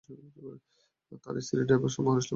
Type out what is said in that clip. তার স্ত্রী আর ড্রাইভার মহারাষ্ট্র পালিয়ে গেছে।